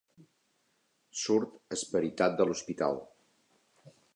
Surt esperitat de l'hospital.